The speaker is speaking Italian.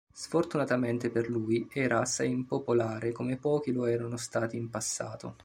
Sfortunatamente per lui, era assai impopolare come pochi lo erano stati in passato.